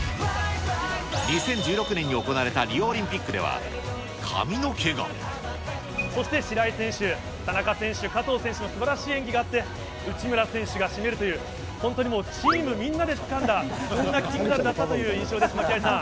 ２０１６年に行われたリオオそして白井選手、田中選手、加藤選手のすばらしい演技があって、内村選手が締めるという、本当にもうチームみんなでつかんだそんな金メダルだったという印象です。